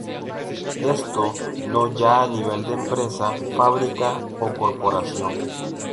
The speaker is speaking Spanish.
Esto no ya a nivel de empresa, fábrica o corporación.